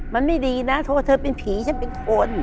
มันไม่ดีนะเธอเป็นผีฉันเป็นคน